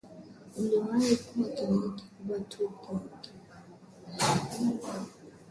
uliowahi kuwa kijiji kikubwa tu cha vibanda kando ya boma